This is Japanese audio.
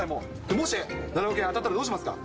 もし７億円当たったらどうしますか。